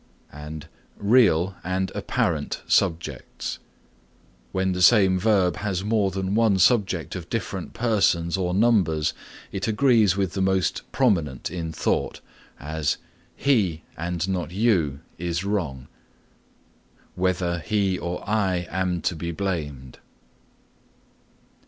(4) When the same verb has more than one subject of different persons or numbers, it agrees with the most prominent in thought; as, "He, and not you, is wrong." "Whether he or I am to be blamed."